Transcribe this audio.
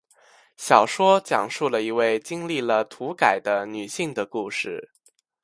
小说讲述了一位经历了土改的女性的故事。